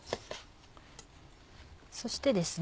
そしてですね